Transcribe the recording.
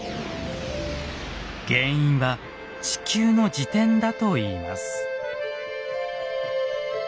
原因は地球の自転だといいます。